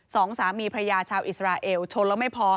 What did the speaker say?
สองสามีพระยาชาวอิสราเอลชนแล้วไม่พอ